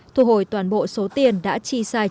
thu hồi toàn bộ số tiền đã chi sai